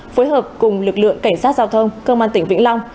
phối hợp cùng lực lượng cảnh sát giao thông công an tỉnh vĩnh long